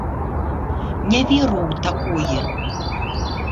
Не веру ў такое.